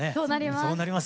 そうなります。